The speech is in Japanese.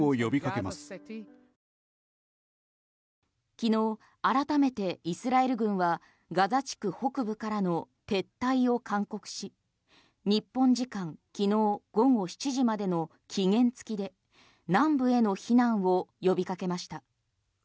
昨日改めてイスラエル軍はガザ地区北部からの撤退を勧告し日本時間昨日午後７時までの期限付きで南部への避難を呼びかけました。